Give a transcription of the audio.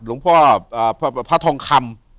หลวงพ่อพระทองคำ